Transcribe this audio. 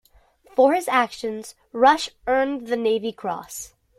For his actions, Rush earned the Navy Cross.